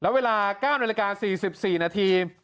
แล้วเวลา๙นาฬิกา๔๔นาที